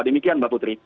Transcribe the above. demikian mbak putri